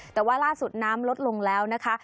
แต่ว่าล่าสุดน้ำลดลงแล้วนะคะ